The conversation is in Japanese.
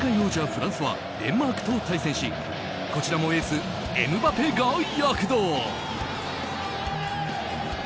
フランスはデンマークと対戦しこちらもエース、エムバペが躍動。